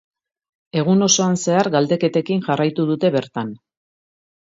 Egun osoan zehar zehar galdeketekin jarraitu dute bertan.